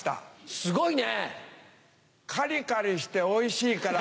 すごいね。